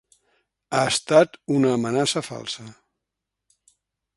Ha estat una amenaça falsa.